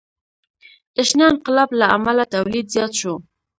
د شنه انقلاب له امله تولید زیات شو.